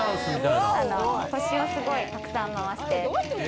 腰をすごいたくさん回して。